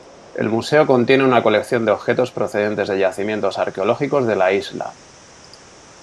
El museo contiene una colección de objetos procedentes de yacimientos arqueológicos de la isla.